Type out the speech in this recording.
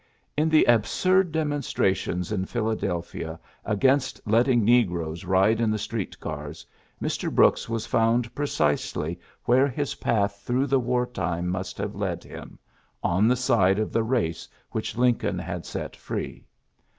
In the absurd demonstrations in Philadelphia against letting negroes ride in the street cars, Mr. Brooks was found precisely where his path through the war time must have led him, on the side of the race which Lincoln had set free.